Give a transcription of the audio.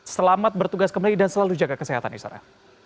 selamat bertugas kembali dan selalu jaga kesehatan isra